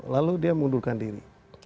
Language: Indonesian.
lalu dia mundurkan diri